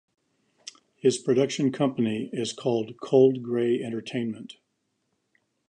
His production company is called Cold Grey Entertainment.